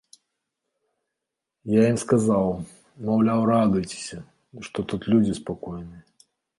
Я ім сказаў, маўляў, радуйцеся, што тут людзі спакойныя.